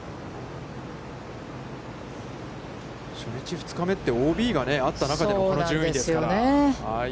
初日、２日目って、ＯＢがあった中でのこの順位ですからね。